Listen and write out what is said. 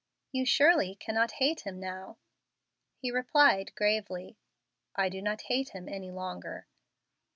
You surely cannot hate him now?" He replied, gravely, "I do not hate him any longer.